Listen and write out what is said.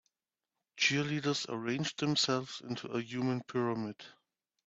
Cheerleaders arrange themselves into a human pyramid.